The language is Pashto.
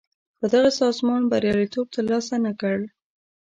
خو دغه سازمان بریالیتوب تر لاسه نه کړ.